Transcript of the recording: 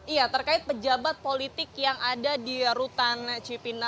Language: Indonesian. iya terkait pejabat politik yang ada di rutan cipinang